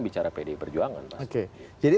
bicara pdi berjuangan pasti jadi